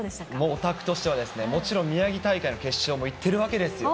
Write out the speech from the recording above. オタクとしてはもちろん宮城大会の決勝もいってるわけですよ。